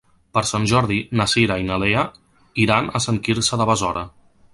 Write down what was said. Per Sant Jordi na Cira i na Lea iran a Sant Quirze de Besora.